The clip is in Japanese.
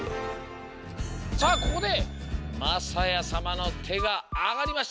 さあここでまさやさまのてがあがりました。